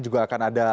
juga akan ada